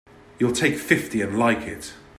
You'll take fifty and like it!